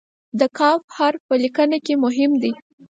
د "ک" حرف په لیکنه کې مهم دی.